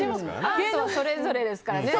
それぞれですからね。